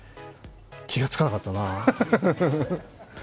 気がつかなかったな。